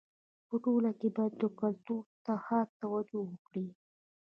په ټولنه کي باید کلتور ته خاصه توجو وکړي.